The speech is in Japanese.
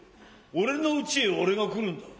俺の内へ俺が来るんだ。